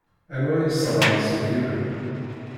Anwa i yesran iselkimen?